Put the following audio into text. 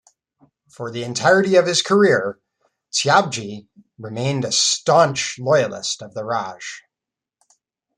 For the entirety of his career, Tyabji remained a staunch loyalist of the Raj.